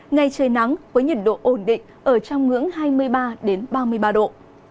ngày trời nắng với nhiệt độ ổn định ở trong ngưỡng hai mươi ba ba mươi ba độ